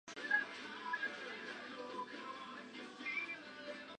Como Borges, Bolaño retrata el campo como el origen de todo.